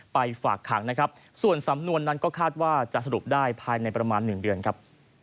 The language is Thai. ฝากขังนะครับส่วนสำนวนนั้นก็คาดว่าจะสรุปได้ภายในประมาณ๑เดือนครับ